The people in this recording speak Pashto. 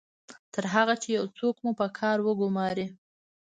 تر هغه چې یو څوک مو په کار وګماري